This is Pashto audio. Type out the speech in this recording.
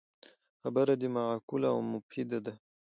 خبره دی معقوله او مفیده ده